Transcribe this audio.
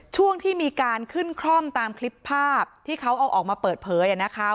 ช่วงที่มีการขึ้นคร่อมตามคลิปภาพที่เขาเอาออกมาเปิดเผยนะคะ